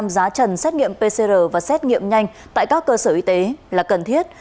giá trần xét nghiệm pcr và xét nghiệm nhanh tại các cơ sở y tế là cần thiết